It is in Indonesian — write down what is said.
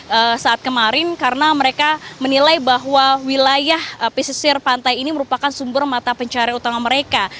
pada saat kemarin karena mereka menilai bahwa wilayah pesisir pantai ini merupakan sumber mata pencarian utama mereka